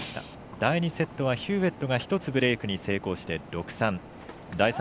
第２セットはヒューウェットが１つブレークに成功して６−３。